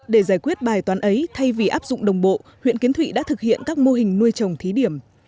để giải quyết bài toán ấy thay vì áp dụng đồng bộ huyện kiến thụy đã thực hiện các mô hình nuôi trồng thí điểm